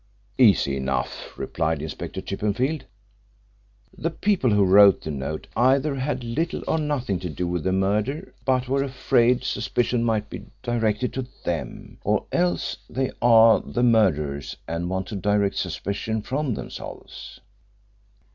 "Easy enough," replied Inspector Chippenfield. "The people who wrote the note either had little or nothing to do with the murder, but were afraid suspicion might be directed to them, or else they are the murderers and want to direct suspicion from themselves."